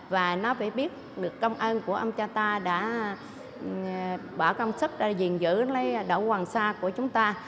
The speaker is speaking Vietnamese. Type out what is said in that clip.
và nó phải biết được công ơn của ông cha ta đã bỏ công sức ra diện giữ lấy đậu quần xoa của chúng ta